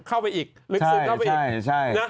เข้าไปอีกหลึกซึมเข้าไปอีกใช่ใช่ใช่นะ